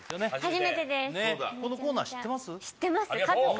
初めてですこのコーナー知ってます？